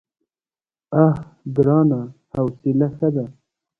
_اه ګرانه! حوصله ښه ده.